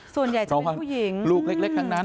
ส่วนใหญ่จะเป็นผู้หญิง